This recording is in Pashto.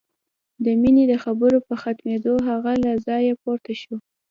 د مينې د خبرو په ختمېدو هغه له ځايه پورته شو.